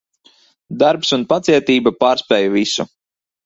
Darbs un pacietība pārspēj visu.